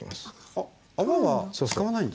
あっ泡は使わないんですね。